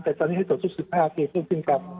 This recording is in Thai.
แต่ตอนนี้ให้ตรวจทุกรุ่น๑๕นาทีมากขึ้นกัน